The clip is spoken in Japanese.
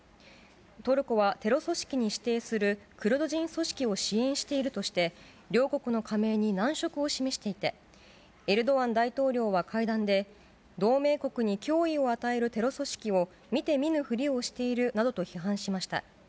トルコはテロ組織に指定するクルド人組織を支援しているとして、両国の加盟に難色を示していて、エルドアン大統領は会談で、同盟国に脅威を与えるテロ組織を見て見ぬふりをしているなどと批判しました。